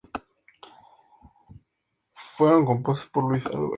Todos los temas fueron compuestos por Luis Álvarez.